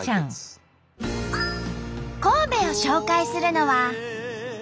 神戸を紹介するのは。